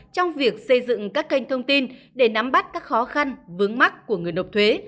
trong việc xây dựng các kênh thông tin để nắm bắt các khó khăn vướng mắt của người nộp thuế